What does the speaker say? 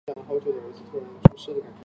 早年在斯坦福大学取得博士学位。